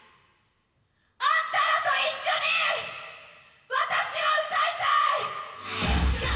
「あんたらと一緒に私は歌いたい！」